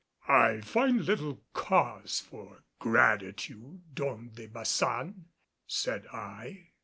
"I find little cause for gratitude, Don de Baçan," said I.